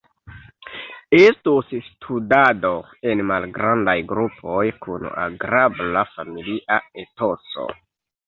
Estos studado en malgrandaj grupoj kun agrabla familia etoso.